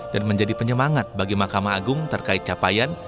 dan menjadi penyemangat bagi makam agung terkait capaian